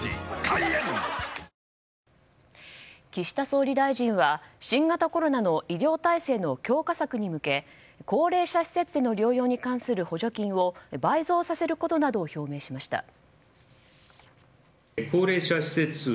岸田総理大臣は新型コロナの医療体制の強化策に向け高齢者施設の療養に関する補助金を倍増させることなどを表明しました。